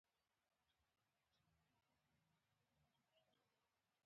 متاهل په پښتو کې واده والا یا کوروالا وایي.